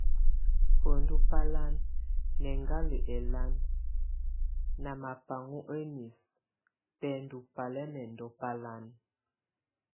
Buêndu bálan, nʼ eŋgál elan, na mabaŋo enis, bɛndo balɛ́mɛndo balan.